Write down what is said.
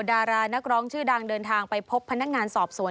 ดารานักร้องชื่อดังเดินทางไปพบพนักงานสอบสวน